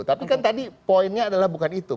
tapi kan tadi poinnya adalah bukan itu